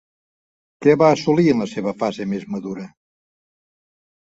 Què va assolir en la seva fase més madura?